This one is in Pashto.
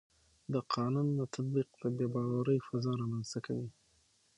د قانون نه تطبیق د بې باورۍ فضا رامنځته کوي